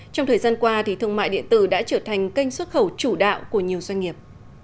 trong thời gian qua thương mại điện tử đã trở thành kênh xuất khẩu chủ đạo của nhiều doanh nghiệp